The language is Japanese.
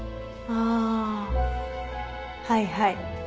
あーはいはい。